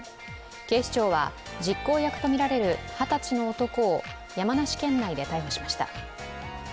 警視庁は、実行役とみられる二十歳の男を山梨県内で逮捕しました。